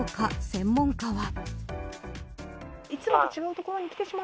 専門家は。